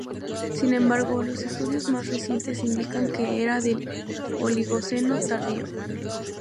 Sin embargo, los estudios más recientes indican que era del Oligoceno tardío.